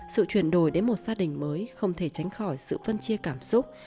sự chuyển đổi đến một gia đình mới không thể tránh khỏi sự phân chia cảm xúc